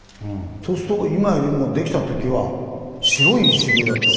そうすると今よりもできたときは白い石塀だった。